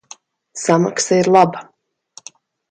Samaksa ir laba.